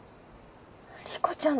理子ちゃん